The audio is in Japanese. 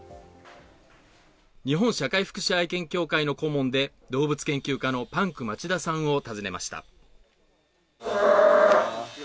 日本社会福祉愛犬協会の顧問で動物研究家のパンク町田さんを訪ねました。